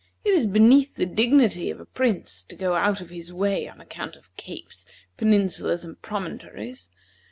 It is beneath the dignity of a prince to go out of his way on account of capes, peninsulas, and promontories.